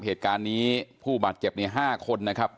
เหตุการณ์นี้ผู้บาดเจ็บใน๕คนนะครับ